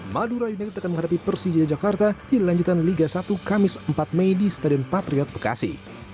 madura united akan menghadapi persija jakarta di lanjutan liga satu kamis empat mei di stadion patriot bekasi